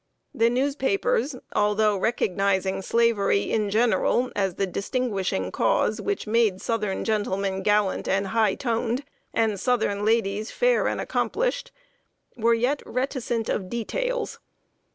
The newspapers, although recognizing slavery in general as the distinguishing cause which made southern gentlemen gallant and "high toned," and southern ladies fair and accomplished, were yet reticent of details.